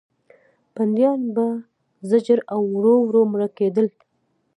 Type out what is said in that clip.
بندیان به په زجر او ورو ورو مړه کېدل.